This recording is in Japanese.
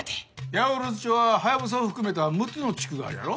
八百万町はハヤブサを含めた６つの地区があるやろ。